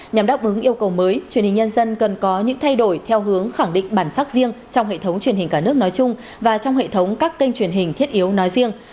nhằm đáp ứng yêu cầu mới truyền hình nhân dân cần có những thay đổi theo hướng khẳng định bản sắc riêng trong hệ thống truyền hình cả nước nói chung và trong hệ thống các kênh truyền hình thiết yếu nói riêng